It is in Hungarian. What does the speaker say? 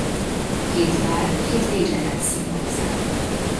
A két pár két végletet szimbolizál.